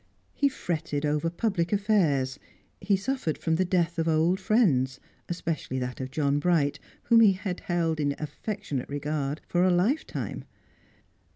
He fretted over public affairs; he suffered from the death of old friends, especially that of John Bright, whom he had held in affectionate regard for a lifetime.